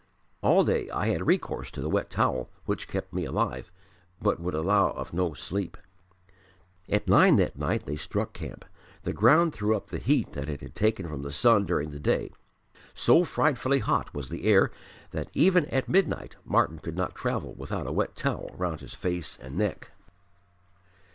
All day I had recourse to the wet towel, which kept me alive, but would allow of no sleep." At nine that night they struck camp. The ground threw up the heat that it had taken from the sun during the day. So frightfully hot was the air that even at midnight Martyn could not travel without a wet towel round his face and neck.